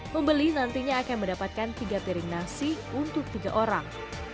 pembeli nantinya akan mendapatkan tiga piring nasi untuk tiga orang